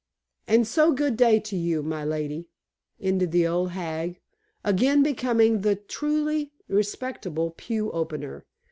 And so good day to you, my lady," ended the old hag, again becoming the truly respectable pew opener.